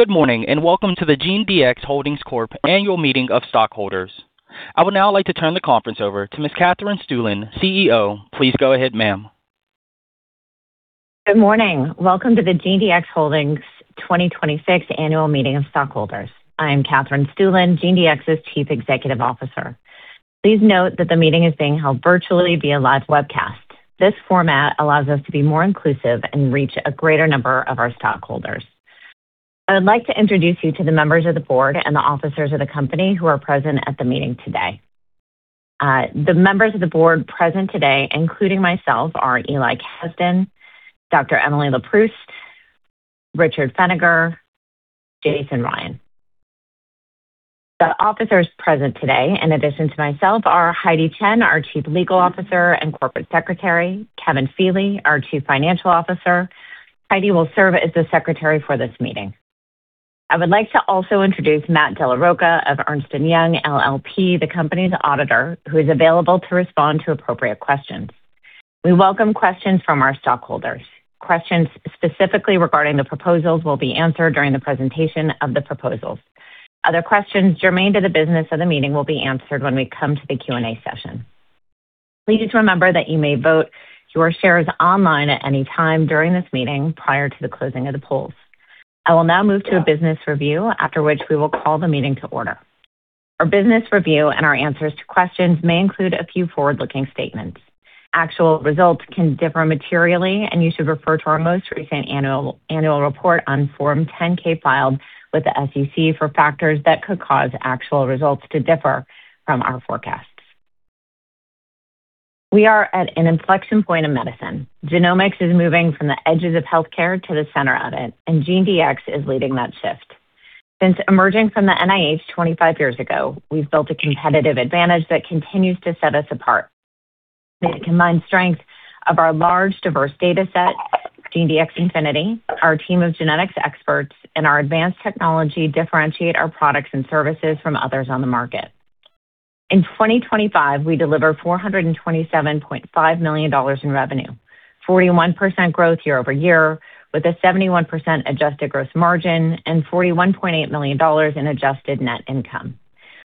Good morning, welcome to the GeneDx Holdings Corp. Annual Meeting of Stockholders. I would now like to turn the conference over to Ms. Katherine Stueland, CEO. Please go ahead, ma'am. Good morning. Welcome to the GeneDx Holdings 2026 Annual Meeting of Stockholders. I am Katherine Stueland, GeneDx's Chief Executive Officer. Please note that the meeting is being held virtually via live webcast. This format allows us to be more inclusive and reach a greater number of our stockholders. I would like to introduce you to the members of the board and the officers of the company who are present at the meeting today. The members of the board present today, including myself, are Eli Casdin, Dr. Emily Leproust, Richard Pfenniger, Jason Ryan. The officers present today, in addition to myself, are Heidi Chen, our Chief Legal Officer and Corporate Secretary, Kevin Feeley, our Chief Financial Officer. Heidi will serve as the secretary for this meeting. I would like to also introduce Matt Della Rocca of Ernst & Young LLP, the company's auditor, who is available to respond to appropriate questions. We welcome questions from our stockholders. Questions specifically regarding the proposals will be answered during the presentation of the proposals. Other questions germane to the business of the meeting will be answered when we come to the Q&A session. Please remember that you may vote your shares online at any time during this meeting prior to the closing of the polls. I will now move to a business review, after which we will call the meeting to order. Our business review and our answers to questions may include a few forward-looking statements. Actual results can differ materially, you should refer to our most recent annual report on Form 10-K filed with the SEC for factors that could cause actual results to differ from our forecasts. We are at an inflection point in medicine. Genomics is moving from the edges of healthcare to the center of it, GeneDx is leading that shift. Since emerging from the NIH 25 years ago, we've built a competitive advantage that continues to set us apart. The combined strength of our large, diverse data set, GeneDx Infinity, our team of genetics experts, and our advanced technology differentiate our products and services from others on the market. In 2025, we delivered $427.5 million in revenue, 41% growth year-over-year, with a 71% adjusted gross margin and $41.8 million in adjusted net income.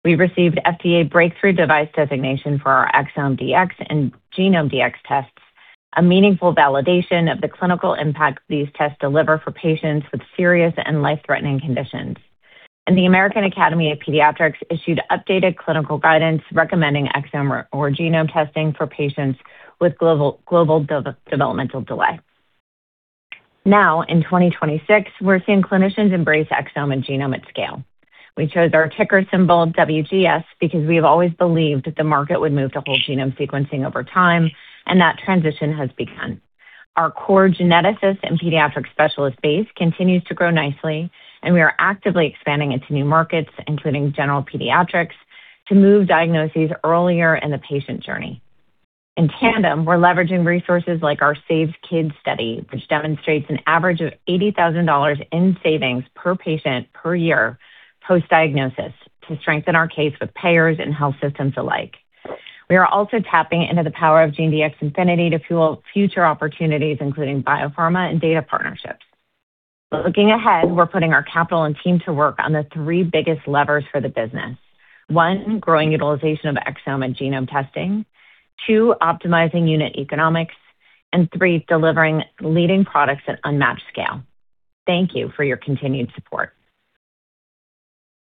We received FDA Breakthrough Device designation for our ExomeDx and GenomeDx tests, a meaningful validation of the clinical impact these tests deliver for patients with serious and life-threatening conditions. The American Academy of Pediatrics issued updated clinical guidance recommending exome or genome testing for patients with global developmental delay. Now, in 2026, we're seeing clinicians embrace exome and genome at scale. We chose our ticker symbol, WGS, because we've always believed that the market would move to whole genome sequencing over time, and that transition has begun. Our core geneticists and pediatric specialist base continues to grow nicely, and we are actively expanding into new markets, including general pediatrics, to move diagnoses earlier in the patient journey. In tandem, we're leveraging resources like our SAVES-Kids study, which demonstrates an average of $80,000 in savings per patient per year post-diagnosis to strengthen our case with payers and health systems alike. We are also tapping into the power of GeneDx Infinity to fuel future opportunities, including biopharma and data partnerships. Looking ahead, we're putting our capital and team to work on the three biggest levers for the business. One, growing utilization of exome and genome testing. Two, optimizing unit economics. Three, delivering leading products at unmatched scale. Thank you for your continued support.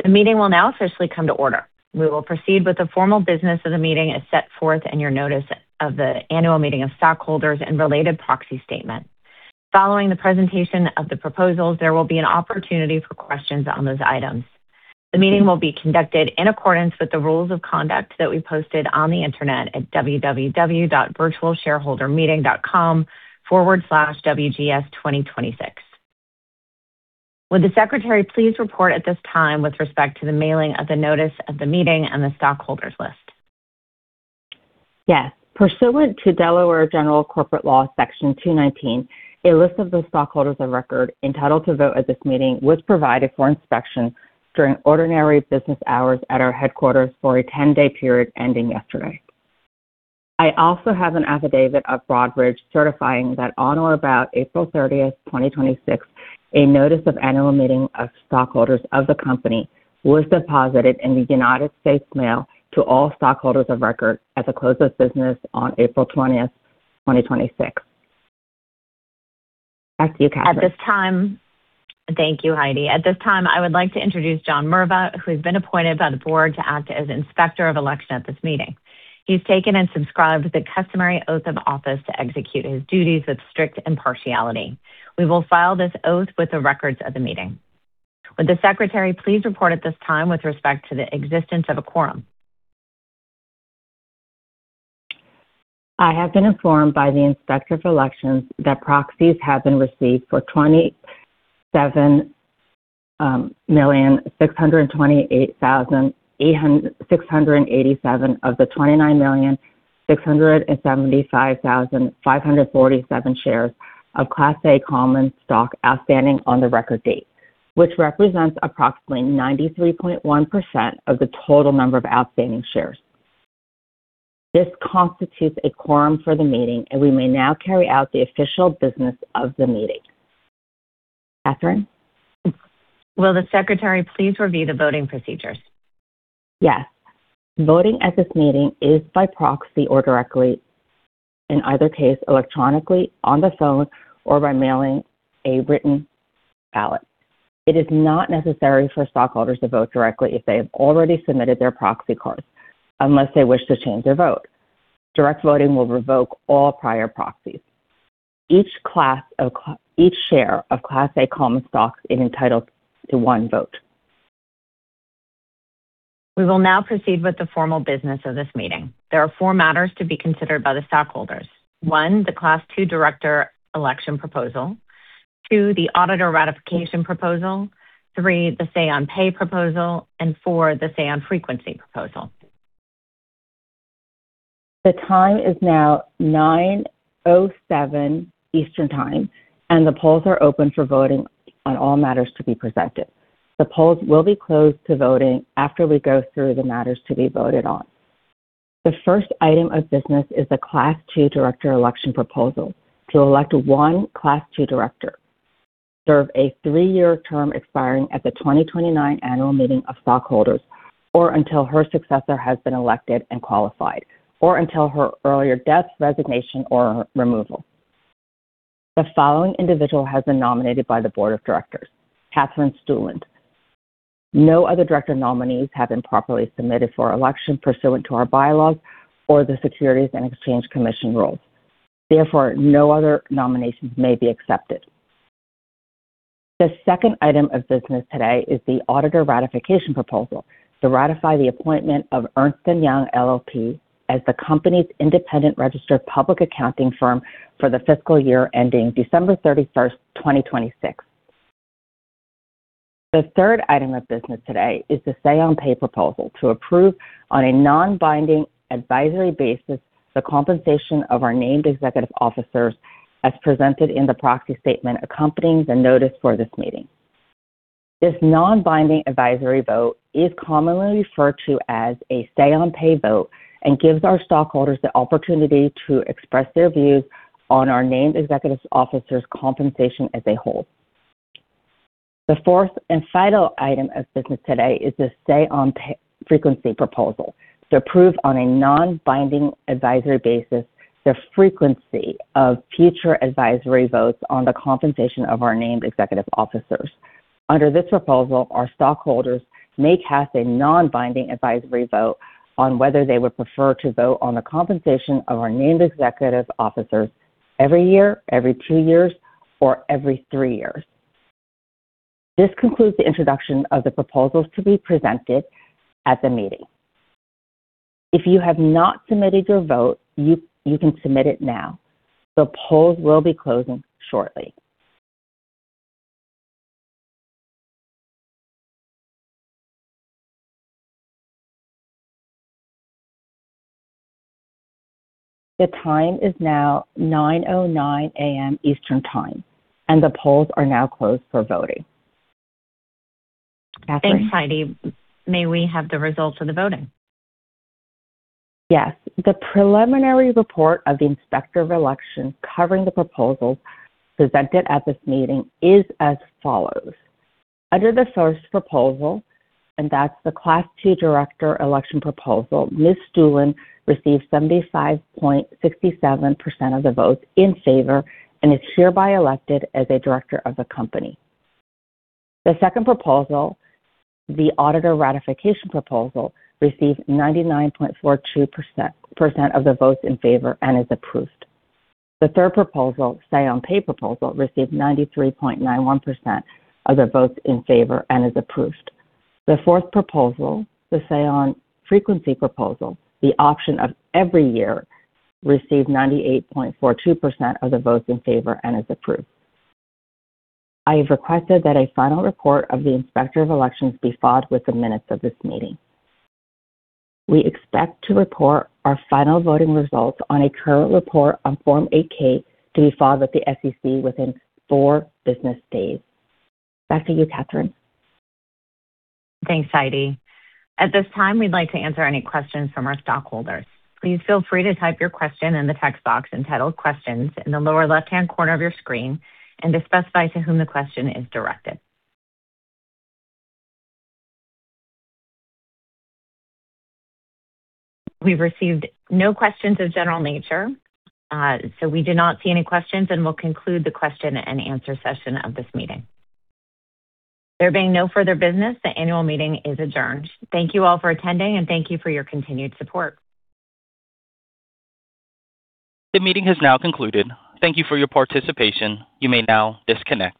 The meeting will now officially come to order. We will proceed with the formal business of the meeting as set forth in your notice of the annual meeting of stockholders and related proxy statement. Following the presentation of the proposals, there will be an opportunity for questions on those items. The meeting will be conducted in accordance with the rules of conduct that we posted on the Internet at www.virtualshareholdermeeting.com/wgs2026. Would the secretary please report at this time with respect to the mailing of the notice of the meeting and the stockholders list? Yes. Pursuant to Delaware General Corporation Law Section 219, a list of the stockholders of record entitled to vote at this meeting was provided for inspection during ordinary business hours at our headquarters for a 10-day period ending yesterday. I also have an affidavit of Broadridge certifying that on or about April 30, 2026, a notice of annual meeting of stockholders of the company was deposited in the United States mail to all stockholders of record at the close of business on April 20, 2026. Back to you, Katherine. Thank you, Heidi. At this time, I would like to introduce John Merva, who's been appointed by the board to act as Inspector of Election at this meeting. He's taken and subscribed the customary oath of office to execute his duties with strict impartiality. We will file this oath with the records of the meeting. Would the secretary please report at this time with respect to the existence of a quorum? I have been informed by the Inspector of Elections that proxies have been received for 27,628,687 of the 29,675,547 shares of Class A common stock outstanding on the record date, which represents approximately 93.1% of the total number of outstanding shares. This constitutes a quorum for the meeting, and we may now carry out the official business of the meeting. Katherine? Will the secretary please review the voting procedures? Yes. Voting at this meeting is by proxy or directly, in either case, electronically, on the phone, or by mailing a written ballot. It is not necessary for stockholders to vote directly if they have already submitted their proxy cards, unless they wish to change their vote. Direct voting will revoke all prior proxies. Each share of Class A common stock is entitled to one vote. We will now proceed with the formal business of this meeting. There are four matters to be considered by the stockholders. One, the Class II director election proposal. Two, the auditor ratification proposal. Three, the say-on-pay proposal. Four, the say-on-frequency proposal. The time is now 9:07 A.M. Eastern Time, the polls are open for voting on all matters to be presented. The polls will be closed to voting after we go through the matters to be voted on. The first item of business is the Class II director election proposal to elect one Class II director to serve a three-year term expiring at the 2029 annual meeting of stockholders, or until her successor has been elected and qualified, or until her earlier death, resignation, or removal. The following individual has been nominated by the board of directors, Katherine Stueland. No other director nominees have been properly submitted for election pursuant to our bylaws or the Securities and Exchange Commission rules. Therefore, no other nominations may be accepted. The second item of business today is the auditor ratification proposal to ratify the appointment of Ernst & Young LLP as the company's independent registered public accounting firm for the fiscal year ending December 31st, 2026. The third item of business today is the say-on-pay proposal to approve on a non-binding advisory basis the compensation of our named executive officers as presented in the proxy statement accompanying the notice for this meeting. This non-binding advisory vote is commonly referred to as a say-on-pay vote and gives our stockholders the opportunity to express their views on our named executive officers' compensation as a whole. The fourth and final item of business today is the say-on-frequency proposal to approve on a non-binding advisory basis the frequency of future advisory votes on the compensation of our named executive officers. Under this proposal, our stockholders may cast a non-binding advisory vote on whether they would prefer to vote on the compensation of our named executive officers every year, every two years, or every three years. This concludes the introduction of the proposals to be presented at the meeting. If you have not submitted your vote, you can submit it now. The polls will be closing shortly. The time is now 9:09 A.M. Eastern Time, the polls are now closed for voting. Katherine. Thanks, Heidi. May we have the results of the voting? Yes. The preliminary report of the Inspector of Election covering the proposals presented at this meeting is as follows. Under the first proposal, and that's the Class II director election proposal, Ms. Stueland received 75.67% of the votes in favor and is hereby elected as a director of the company. The second proposal, the auditor ratification proposal, received 99.42% of the votes in favor and is approved. The third proposal, say-on-pay proposal, received 93.91% of the votes in favor and is approved. The fourth proposal, the say-on-frequency proposal, the option of every year received 98.42% of the votes in favor and is approved. I have requested that a final report of the Inspector of Elections be filed with the minutes of this meeting. We expect to report our final voting results on a current report on Form 8-K to be filed with the SEC within four business days. Back to you, Katherine. Thanks, Heidi. At this time, we'd like to answer any questions from our stockholders. Please feel free to type your question in the text box entitled Questions in the lower left-hand corner of your screen and to specify to whom the question is directed. We've received no questions of general nature, so we do not see any questions, and we'll conclude the question and answer session of this meeting. There being no further business, the annual meeting is adjourned. Thank you all for attending, and thank you for your continued support. The meeting has now concluded. Thank you for your participation. You may now disconnect.